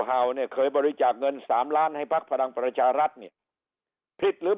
เห่านี่เคยบริจาคเงิน๓ล้านให้ภรรภรรชารรัฐนี่ผิดหรือ